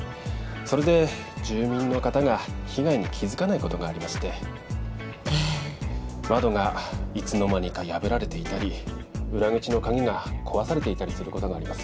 それで住民の方が被害に気づかないことがありましてええ窓がいつの間にか破られていたり裏口の鍵が壊されていたりすることがあります